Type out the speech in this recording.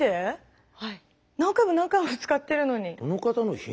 何回も何回も使ってるのに。